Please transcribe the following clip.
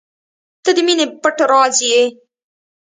• ته د مینې پټ راز یې.